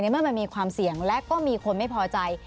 เมื่อมันมีความเสี่ยงและก็มีคนไม่พอใจ